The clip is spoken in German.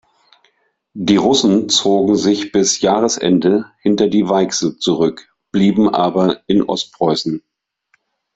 Die Russen zogen sich bis Jahresende hinter die Weichsel zurück, blieben aber in Ostpreußen.